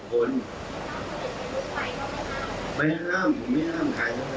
ไม่ห้ามไม่ห้ามไม่ห้าม